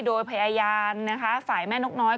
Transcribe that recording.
โดยพยายามฝ่ายแม่นกน้อย